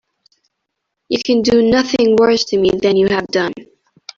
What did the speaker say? You can do nothing worse to me than you have done.